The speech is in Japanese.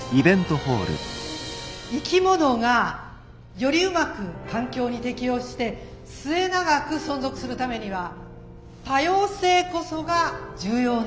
「生き物がよりうまく環境に適応して末長く存続するためには多様性こそが重要なのである」。